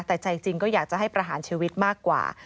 แต่ใจจริงก็อยากจะให้ประหารชีวิตมากกว่า